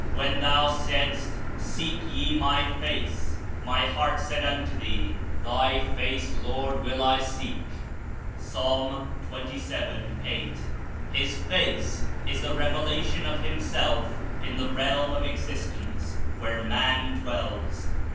When thou saidsi, "Seek ye my face;" my heart said unto thee, "Thy face. Lord, zvill I seek/' (Ps. 27. 8.) .His "Face" Is the revelation of Himself in ^he realm of existence, where man dwells.